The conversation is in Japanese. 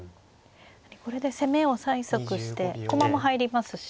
これで攻めを催促して駒も入りますし。